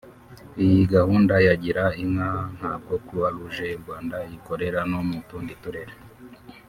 Iyi gahunda ya Gira inka ntabwo Croix Rouge y’u Rwanda iyikorera no mu tundi turere